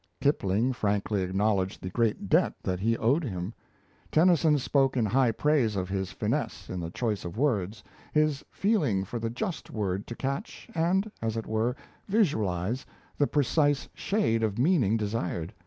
Kipling frankly acknowledged the great debt that he owed him. Tennyson spoke in high praise of his finesse in the choice of words, his feeling for the just word to catch and, as it were, visualize the precise shade of meaning desired.